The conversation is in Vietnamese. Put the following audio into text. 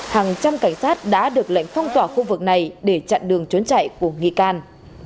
hàng trăm cảnh sát đã được lệnh phong tỏa khu vực này để chặn đường trốn chạy của nghi can